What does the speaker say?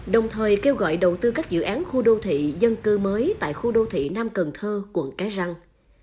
đồng thời kêu gọi đầu tư các dự án khu đô thị dân cư mới tại khu đô thị nam cần thơ quận cái răng